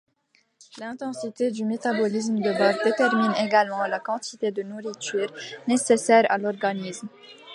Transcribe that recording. L'intensité du métabolisme de base détermine également la quantité de nourriture nécessaire à l'organisme.